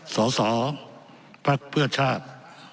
เสาสอภัคดิ์เพือชาติ